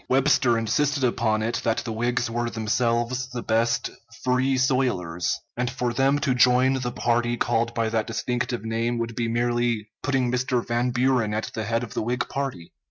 Webster insisted upon it that the Whigs were themselves the best "Free soilers," and for them to join the party called by that distinctive name would be merely putting Mr. Van Buren at the head of the Whig party.